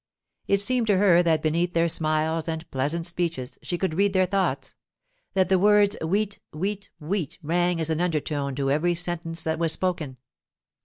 It seemed to her that beneath their smiles and pleasant speeches she could read their thoughts; that the words 'wheat, wheat, wheat' rang as an undertone to every sentence that was spoken.